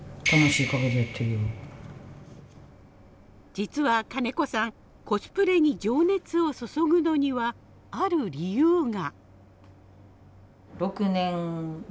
実は金子さんコスプレに情熱を注ぐのにはある理由が。